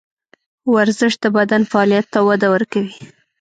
ورزش د بدن فعالیت ته وده ورکوي.